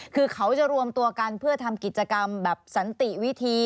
คือเขาจะรวมตัวกันเพื่อทำกิจกรรมแบบสันติวิธี